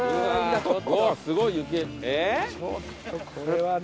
ちょっとこれはね。